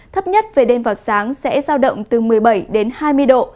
thấp nhất về đêm vào sáng sẽ ra động từ một mươi bảy đến hai mươi độ